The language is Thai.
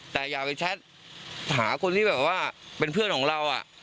แต่อย่าไปแชทหาคนที่แบบว่าเป็นเพื่อนของเรา